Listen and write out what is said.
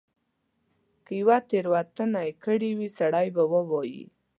که یوه تیره وتنه کړې وي سړی به ووایي.